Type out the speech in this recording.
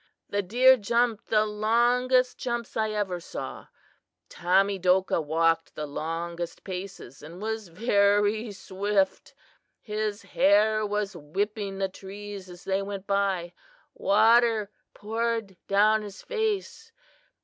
The deer jumped the longest jumps I ever saw. Tamedokah walked the longest paces and was very swift. His hair was whipping the trees as they went by. Water poured down his face.